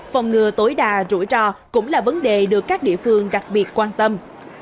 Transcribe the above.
phòng ngừa tối đa rủi ro cũng là vấn đề được các địa phương đặc biệt quan tâm